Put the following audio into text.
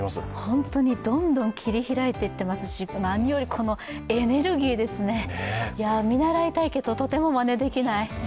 本当にどんどん切り開いていっていますし何よりこのエネルギーですね、見習いたいけど、とてもまねできない。